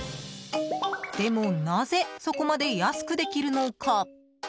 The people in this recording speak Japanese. でもなぜ、そこまで安くできるのか？